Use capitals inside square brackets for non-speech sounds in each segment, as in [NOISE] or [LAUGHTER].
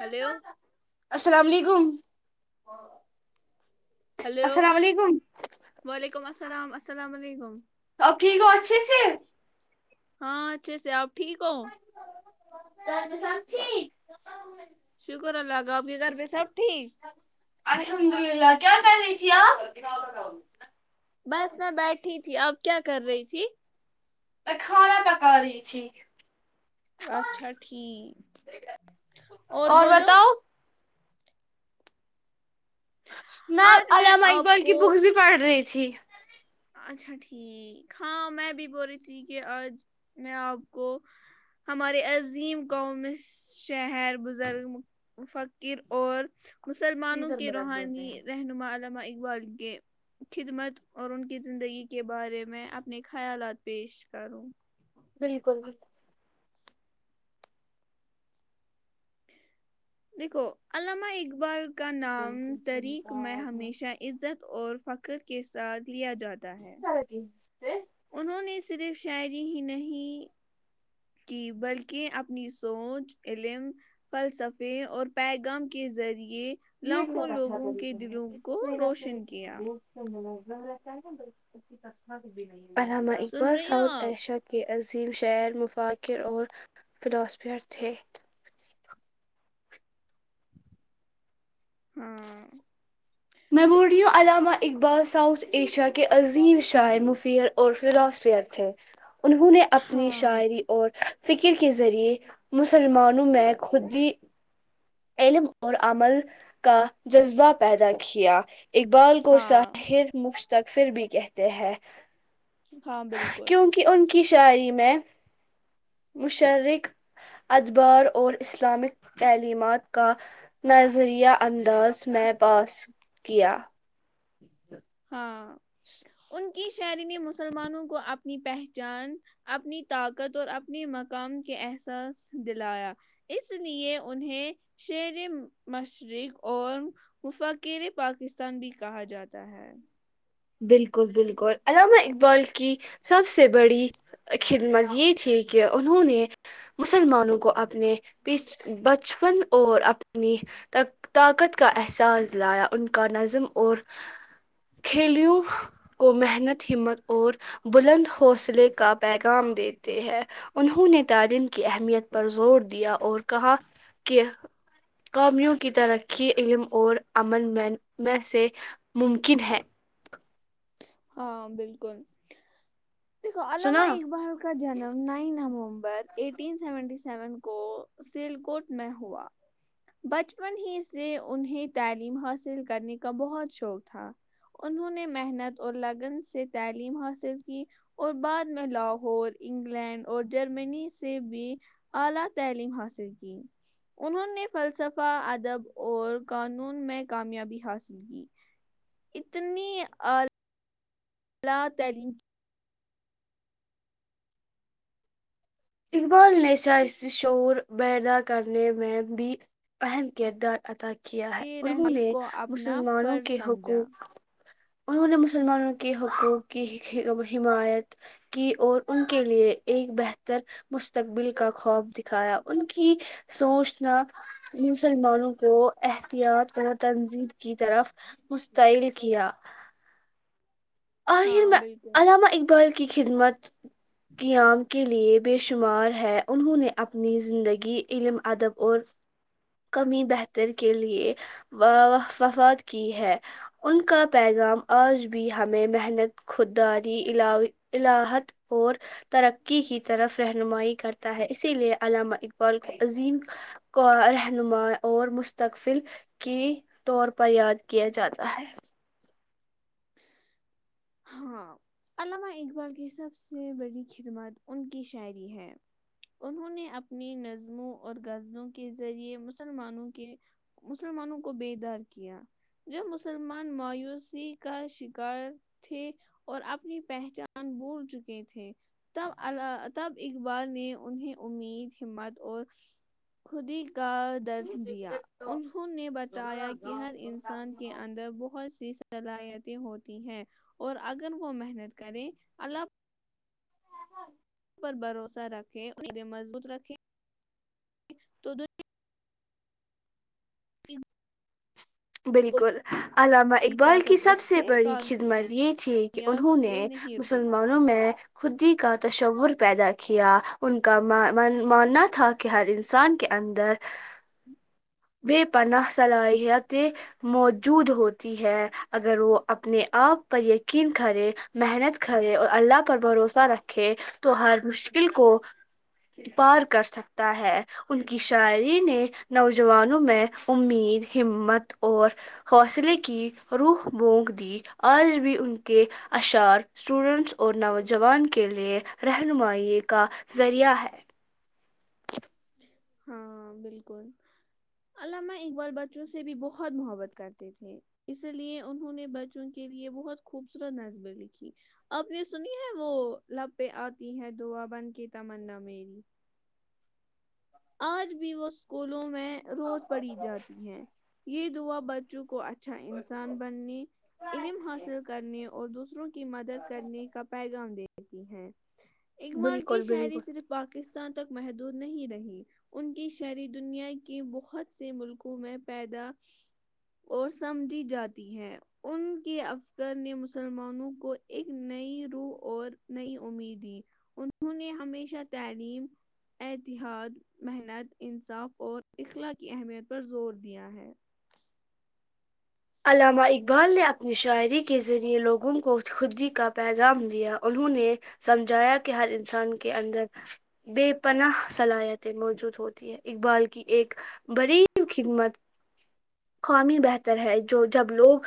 Hello السلام علیکم ہاں [INAUDIBLE] ہلو السلام علیکم وعلیکم السلام السلام علیکم اب ٹھیک اچ س [UNINTELLIGIBLE] ہاں اچھے سے آپ ٹھیک ہو گھر تو صب ٹھیک [UNINTELLIGIBLE] شکر اللہ گ آب کے گھر پ سب ٹھیک ج پ رہے آ [UNINTELLIGIBLE] بس میں بیٹھی تھی تھی اب کیا کر رہی تھی کھانا پکا رہیچ [UNINTELLIGIBLE] اچھا ٹھیک اور بولو می آج میں علامہ آپ اقبال کی کو بکس بھی پڑھ رہی تھی پشی [UNINTELLIGIBLE] اچھا ٹھیک ہاں میں بھی بول رہی تھی کہ آج میں آپ کو ہمارے عظیم قاؤں میں شہر بزرگ فقر اور مسلمانوں فریزر کے میں رکھ دیتے ہیں روحانی رہنما علمہ وال کے خدمت اور ان کے [UNINTELLIGIBLE] کی زندگی کے بارے میں اپنے خیالات پیش کروں بالکل بالکل دیکھو علامہ اقبال کا نام طریک میں ہمیشہ عزت اور فخر کے ساتھ لیا جاتا تا ہے انہوں نے صرف شاعری ہی نہیں کی بلکہ اپنی سوچ علم فلسفے اور پیغام کے ذریعے یہ لاکھوں بہت اچھا لوگوں کے طریقہ ہے دلوں اس کو روشن کیا ضرت ہےا ب کتا کی بھی نہیں [INAUDIBLE] عامہ سن اقبال رہی ہو ساؤتھ آپ ایشیا کے عظیم شعر مفاکر اور فلاسفیر تھے ہاں مبوڈیو علامہ اقبال ساؤتھ ایشیا کے عظیم شاعر مفیر اور فراسفر تھے [UNINTELLIGIBLE] انہوں نے اپنی ہاں شاعری اور فکر کے ذریعے مسلمانوں میں خودی علم اور عمل کا جذبہ پیدا کیا اقبال کو ہاں ساحر مفت تک پھر بھی کہتے ہیں ہاں بالکل کیونکہ ان کی شاعری میں مشرک ادبار اور اسلامک تعلیمات کا نظریہ انداز میں پاس کیا [UNINTELLIGIBLE] ہاں ان [UNINTELLIGIBLE] کی شعری نے مسلمانوں کو اپنی پہچان اپنی طاقت اور اپنی مقام کے احساس دلایا اس لیے انہیں شر مشرق اور وفقیر پاکستان بھی کہا جاتا ہے بالکل بالکل علامہ اقبال کی سب سے بڑی خدمت یہ تھی کہ انہوں نے مسلمانوں کو اپنے بچپن اور اپنی طاقت کا احساس لایا ان کا نظم اور کھیلیوں کو محنت ہمت اور بلند حوصلے کا پیغام دیتے ہیں انہوں نے تعلیم کی اہمیت پر زور دیا اور کہا کہ قومیوں کی ترقی علم اور عمن میں میں سے ممکن ہے ہاں بالکل دیکھو عامہ سنا ایک بار کا جنم نہیں ن م سی سیون کو سلکٹ میں ہوا بچپن ہی سے انہیں تعلیم حاصل کرنے کا بہت شوق تھا انہوں نے محنت اور لیگن سے تعلیم حاصل کی اور بعد میں لاہور انگلینڈ اور جرمنی سے بھی اعلی تعلیم حاصل کی انہوں نے فلسفہ ادب اور قانون میں کامیابی حاصل کی اتنی اللہ تعلی اقبال نے سائست شعور پیدا کرنے میں بھی اہم کردار ادا کیا کیا ہے کی انہوں رہنمائی نے کو اپنا مسلمانوں فرض کے سمجھا حقوق انہوں نے مسلمانوں کے حقوق کی حمایت کی اور ان کے لیے ایک بہتر ر مستقبل کا خواب دکھایا ان کی سوچنا مسلمانوں کو احتیاط اور تنظیب کی طرف مستعل کیا آہر ہاں میں بالکل علامہ اقبال کے کی خدمت قیام کے لیے بے شمار ہے انہوں نے اپنی زندگی علم ادب اور کمی بہتر کے لیےففات کی ہے ان کا پیغام آج بھی ہمیں محنت خودداری ع الاحت اور ترقی کی طرف رہنمائی کرتا ہے اسی لیے علامہ اقبال کو عظیم کو رہنما اور مستقبل کی طور پر یاد کیا جاتا ہے ہاں علامہ اقبال کی سب سے بڑی خدمت ان کی شاعری ہے انہوں نے اپنی نظموں اور غزلوں کے ذریعے مسلمانوں کے مسلمانوں کو بیدار کیا جو مسلمان مایوسی کا شکار تھے اور اپنی پہچان بول چکے تھے تب ال تب اقبال نے انہیں امید ہمت اور خود ہی کا درس دیا انہوں نے بتایا کہ ہر انسان کے اندر بہت سی صلاحیتیں ہوتی ہیں اور اگر وہ محنت کریں اللہ پر بھروسہ رکھیں اور مضبوط رکھیں تو د [UNINTELLIGIBLE] بالکل علامہ کوئی اقبال کی طاقت سب اس سے بڑی خدمت یہ تھی کہ کامیاب انہوں نے سے نہیں ہوتی مسلمانوں میں خدی کا تشور پیدا کیا ان کا ماننا تھا کہ ہر انسان کے اندر بے پناہ صلاحیت موجود ہوتی ہے اگر وہ اپنے آپ پر یقین کرے محنت کرے اور اللہ پر بھروسہ رکھے تو ہر مشکل کو پار کر سکتا ہے ان کی شاعری نے نوجوانوں میں امید ہمت اور حوصلے کی روح بونک دی آج بھی ان کے اشعار اسٹوڈنٹس اور نوجوان کے لیے رہنمائی کا ذریعہ ہے ہاں بالکل علامہ ا بال بچوں سے بھی بہت محبت کرتے تھے اسی لیے انہوں نے بچوں کے لیے بہت خوبصورت نصبیں لکھی آپ نے سنی ہے وہ لہ آتی ہے دعا بن کے تمنا میری آج بھی وہ اسکولوں میں روز پڑھی جاتی ہے یہ ہوا بچوں کو اچھا اچھا انسان بننے علم حاصل کرنے اور دوسروں کی مدد کرنے کا پیغام دے ہوتی ہیں اقمال کی بالکل شاعری صرف پاکستان تک محدود نہیں رہی ان کی شہری دنیا کے بہت سے ملکوں میں پیدا اور سمجھی جاتی ہے ان کے افسر نے مسلمانوں کو ایک نئی روح اور نئی امید دی انہوں نے ہمیشہ تعلیم اتحاد محنت انصاف اور اخلا کی اہمیت پر زور دیا ہے علامہ اقبال نے اپنی شاعری کے ذریعے لوگوں کو خودی کا پیغام دیا انہوں نے سمجھایا کہ ہر انسان کے اندر بے پناہ صلاحیتیں موجود ہوتی ہے اقبال کی ایک بریی خدمت قومی بہتر ہے جو جب لوگ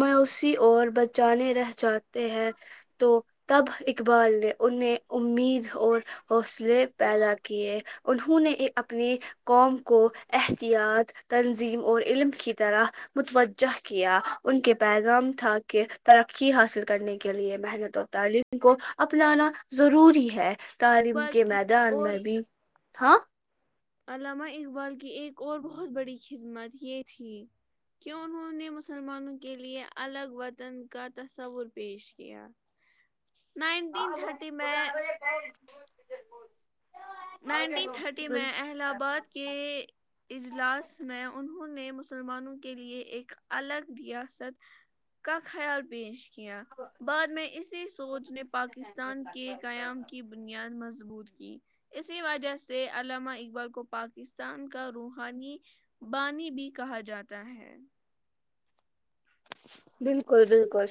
میوسی اور بچانے رہ جاتے ہیں تو تب اقبال نے انہیں امید اور حوصلے پیدا کیے انہوں نے اپنی قوم کو احتیاط تنظیم اور علم کی طرح متوجہ کیا ان کے پیغام تھا کہ ترقی حاصل کرنے کے لیے محنت اور تعلیم کو اپنانا ضروری ہے تعلیم اقبال کے کی میدان اور میں بھی ہاں علامہ اقبال کی ایک اور بہت بڑی خدمت یہ تھی کہ انہوں نے مسلمانوں کے لیے الگ وطن کا تصور پیش کیا نائنٹین تھرٹی میں نائنٹین تھرٹی بل- میں اہہ آباد کے اجلاس میں انہوں نے مسلمانوں کے لئے ایک الگ ریاست کا خیال پیش کیا کیا بعد میں اسی سوچ نے پاکستان کے قیام کی بنیاد مضبوط کی اسی وجہ سے علامہ اقبال کو پاکستان کا روحانی بانی بھی کہا جاتا ہے بالکل بالکل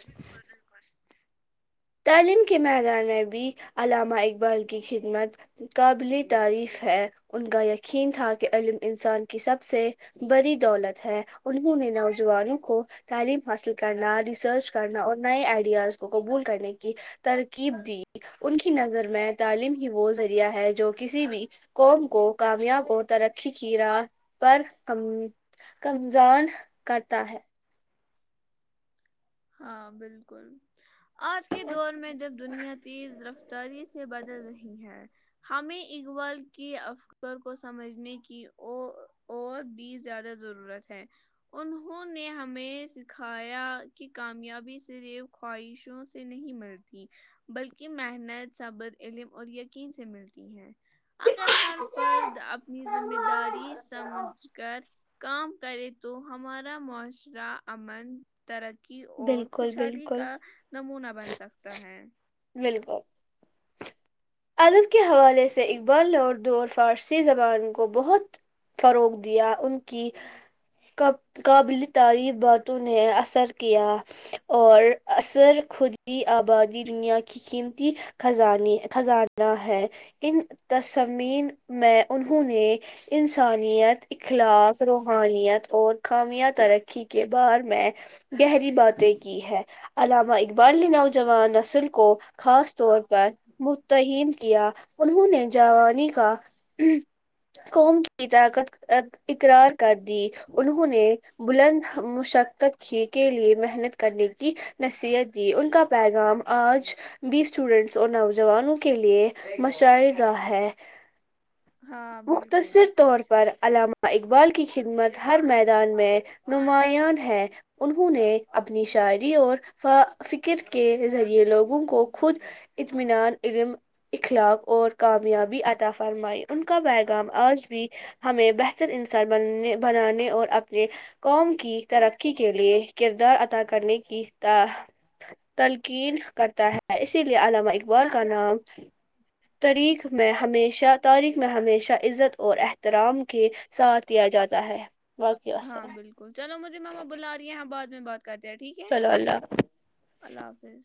تعلیم کے میدان میں بھی علامہ اقبال کی خدمت قابل تعریف ہے ان کا یقین تھا کہ علم انسان کی سب سے بڑی دولت ہے انہوں نے نوجوانوں کو تعلیم حاصل کرنا ریسرچ کرنا اور نئے آئیڈیاز کو قبول کرنے کی ترکیب دی ان کی نظر میں تعلیم ہی وہ ذریعہ ہے جو کسی بھی قوم کو کامیاب اور ترقی کی راہ پر ک کمزان کرتا ہے ہاں بالکل آج کے دور میں جب دنیا تیز رفتاری سے بدل رہی ہے ہمیں اقبال کے افکر کو سمجھنے کی ا اور بھی زیادہ ضرورت ہے انہوں نے ہمیں سکھایا کی کامیابی صرف خواہشوں سے نہیں ملتی بلکہ محنت صبر علم اور یقین سے ملتی ہے اگر ہر فرد اپنی ذمہ داری سمجھ کر کام کرے تو ہمارا معاشرہ امنر کی اور بالکل خوشحالی بالکل کا نمناہ بن سکتا ہے بالکل ادب کے حوالے سے اقبال نے اردو اور فارسی زبان کو بہت فروغ دیا ان کی قابل تعریف باتوں نے اثر کیا اور اثر خ آبادی دنیا کی قیمتی خززانہ ہے ان تصمین میں انہوں نے انسانیت اخلاف روحانیت اور کامیا ترقی کے بارے میں گہری باتیں کی ہے علامہ برل نوجوان نسل کو خاص طور پر متہم کیا انہوں نے جوانی کا قوم کی طاقت اقرار کر دی انہوں نے بلند مشقت کے لیے محنت کرنے کی نصیحت جی ان کا پیغام آج بھی اسٹوڈینٹس اور نوجوانوں کے لیے مشاہر رہہ ہے ہاں بالکل مختصر طور پر علام اقبال کی خدمت ہر میدان میں نماں ہے انہوں نے اپنی شاعری اور فکر کے ذریعے لوگوں کو خود اطمینان علم اخلاق اور کامیابی عطا فرمائی ان کا پیغام آج بھی ہمیں بہتر انسر بن بنانے اور اپنے قوم کی ترقی کے لیے کردار ادا کرنے کی تلقین کرتا ہے اسی لیے علامہ اقبال کا نام تاریخ میں ہمیشہ تاریخ میں ہمیشہ عزت اور احترام کے ساتھ د جاتا ہے باقی ہاں السلام بالکل چلو مجھے ماما بلا رہے ہیں بع میں بات کر د ٹھیک ہے چلو اللہ حافظ. الح حافظ